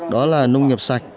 đó là nông nghiệp sạch